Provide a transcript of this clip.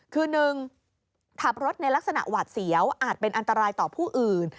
คือ๑ขับรถในลักษณะหวาดเสียวอาจเป็นอันตรายต่อผู้อื่น